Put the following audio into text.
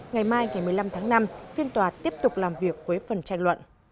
ngày mai ngày một mươi năm tháng năm phiên tòa tiếp tục làm việc với phần tranh luận